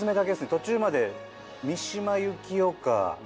途中まで三島由紀夫か。